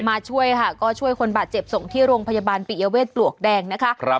มาช่วยค่ะก็ช่วยคนบาดเจ็บส่งที่โรงพยาบาลปิยเวทปลวกแดงนะคะ